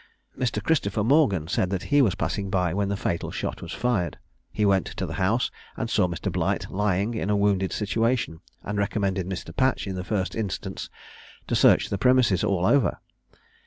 Mr. Christopher Morgan said that he was passing by when the fatal shot was fired; he went to the house, and saw Mr. Blight lying in a wounded situation, and recommended Mr. Patch, in the first instance, to search the premises all over.